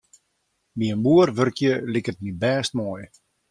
By in boer wurkje liket my bêst moai.